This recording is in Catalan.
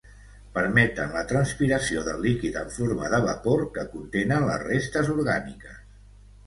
Permeten la transpiració del líquid en forma de vapor que contenen les restes orgàniques.